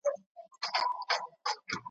بيا به سور دسمال تر ملا کي `